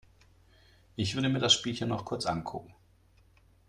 Ich würde mir das Spielchen noch kurz ankucken.